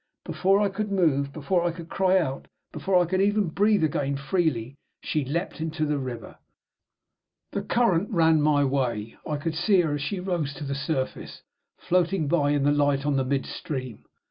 Before I could move, before I could cry out, before I could even breathe again freely, she leaped into the river. The current ran my way. I could see her, as she rose to the surface, floating by in the light on the mid stream.